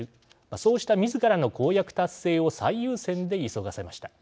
そうしたみずからの公約達成を最優先で急がせました。